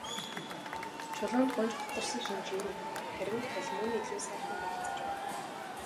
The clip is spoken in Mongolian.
Чулуунд гуньж гутарсан шинж ер үгүй, харин халимаг нь илүү сайхан гялалзаж байв.